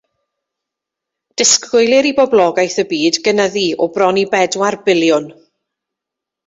Disgwylir i boblogaeth y byd gynyddu o bron i bedwar biliwn.